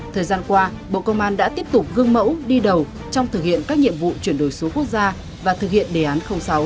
thời gian qua bộ công an đã tiếp tục gương mẫu đi đầu trong thực hiện các nhiệm vụ chuyển đổi số quốc gia và thực hiện đề án sáu